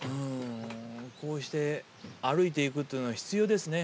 こうして歩いていくっていうのは必要ですね。